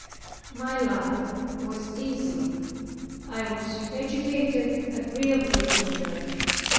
My life was easy; I was educated agreeably with her.